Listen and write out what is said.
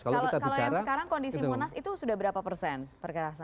kalau yang sekarang kondisi monas itu sudah berapa persen perkerasan